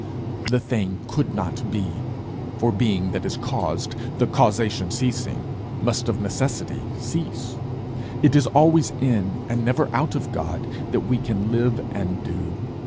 The thing could not be; for being that is caused, the causation ceasing, must of necessity cease. It is always in, and never out of God, that we can live and do.